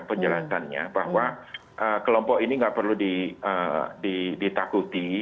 penjelasannya bahwa kelompok ini nggak perlu ditakuti